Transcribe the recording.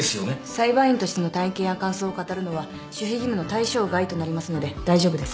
裁判員としての体験や感想を語るのは守秘義務の対象外となりますので大丈夫です。